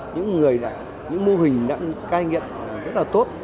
những mô hình đã cai nghiện rất là tốt